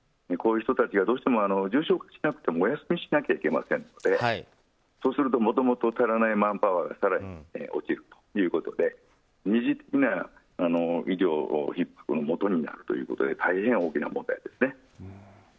こういう人たちはどうしても重症化しなくてもお休みしなきゃいけませんのでそうするともともと足りないマンパワーが更に落ちるということで医療のひっ迫が起きるということで大変、大きな問題ですね。